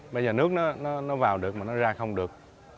bây giờ nước nó vào được mà nó ra không được